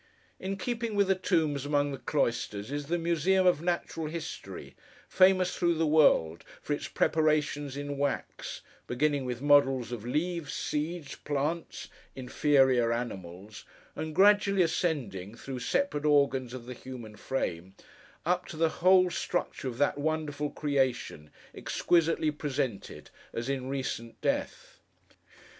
In keeping with the tombs among the cloisters, is the Museum of Natural History, famous through the world for its preparations in wax; beginning with models of leaves, seeds, plants, inferior animals; and gradually ascending, through separate organs of the human frame, up to the whole structure of that wonderful creation, exquisitely presented, as in recent death.